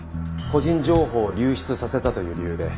個人情報を流出させたという理由で。